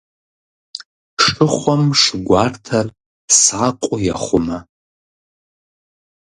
Шыхъуэм шы гуартэр сакъыу ехъумэ.